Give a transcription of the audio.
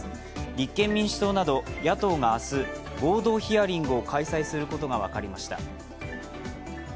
立憲民主党など野党が明日合同ヒアリングを開催することが分かりました。